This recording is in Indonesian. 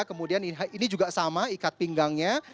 kemudian ini juga sama ikat pinggangnya